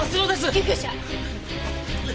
救急車！